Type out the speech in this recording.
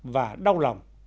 và đau lòng